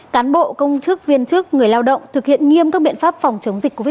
cán bộ công chức viên chức người lao động thực hiện nghiêm các biện pháp phòng chống dịch covid một mươi chín